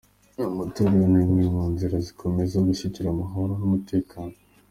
Amatora ni imwe mu nzira zikomeye zo gushyigikira amahoro n’umutekano.